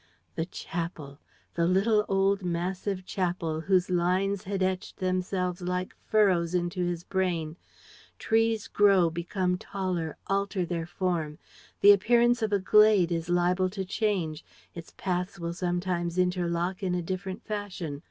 The chapel! The little old massive chapel, whose lines had etched themselves like furrows into his brain! Trees grow, become taller, alter their form. The appearance of a glade is liable to change. Its paths will sometimes interlock in a different fashion.